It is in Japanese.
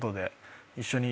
一緒に。